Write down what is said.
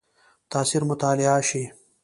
تاثیر مطالعه شي.